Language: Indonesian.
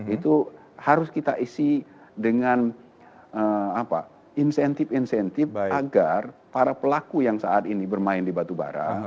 itu harus kita isi dengan insentif insentif agar para pelaku yang saat ini bermain di batubara